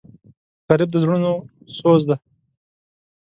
غریب د زړونو سوز دی